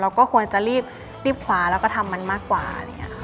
เราก็ควรจะรีบขวาแล้วก็ทำมันมากกว่า